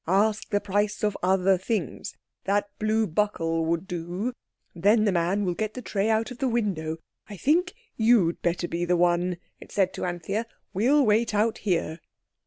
Ask the price of other things. That blue buckle would do. Then the man will get the tray out of the window. I think you'd better be the one," it said to Anthea. "We'll wait out here."